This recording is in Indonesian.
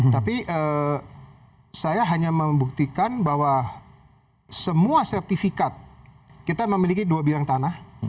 tapi saya hanya membuktikan bahwa semua sertifikat kita memiliki dua bidang tanah